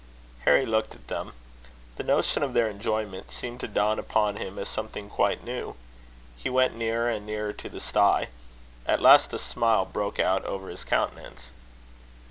Harry looked at them. The notion of their enjoyment seemed to dawn upon him as something quite new. He went nearer and nearer to the stye. At last a smile broke out over his countenance.